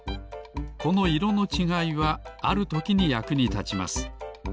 この色のちがいはあるときにやくにたちます。